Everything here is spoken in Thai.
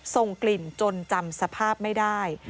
ส่งกลิ่นจนจำสภาพไม่ได้